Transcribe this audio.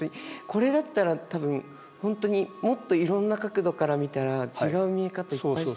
これだったら多分本当にもっといろんな角度から見たら違う見え方いっぱいしそうですよね。